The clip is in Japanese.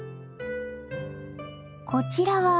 こちらは。